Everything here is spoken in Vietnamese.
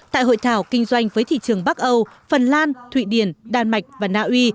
tại hội thảo kinh doanh với thị trường bắc âu phần lan thụy điển đan mạch và naui